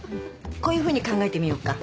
こういうふうに考えてみようか。